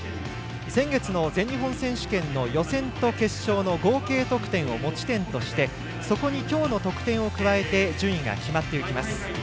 先月の全日本選手権の予選と決勝の合計得点を持ち点としてそこにきょうの得点を加えて順位が決まっていきます。